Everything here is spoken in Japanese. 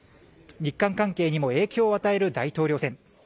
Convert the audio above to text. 日韓関係にも影響を与える大統領選。